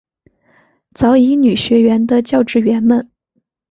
早乙女学园的教职员们。